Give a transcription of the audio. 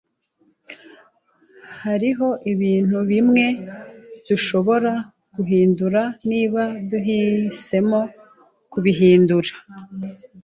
Hariho ibintu bimwe dushobora guhindura niba duhisemo kubihindura.